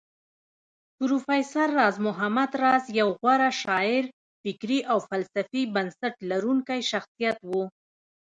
پروفېسر راز محمد راز يو غوره شاعر فکري او فلسفي بنسټ لرونکی شخصيت و